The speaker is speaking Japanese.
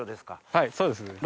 はいそうです。